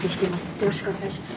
よろしくお願いします。